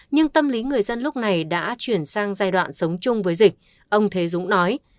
nhưng tâm lý người dân lúc này đã chuyển sang giai đoạn sống chung với dịch ông thế dũng nói